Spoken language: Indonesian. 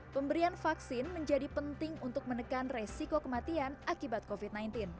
pemberian vaksin menjadi penting untuk menekan resiko kematian akibat covid sembilan belas